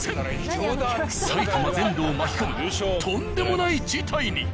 埼玉全土を巻き込むとんでもない事態に。